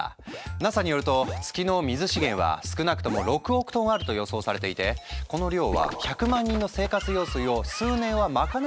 ＮＡＳＡによると月の水資源は少なくとも６億トンあると予想されていてこの量は１００万人の生活用水を数年は賄うことができるんだ。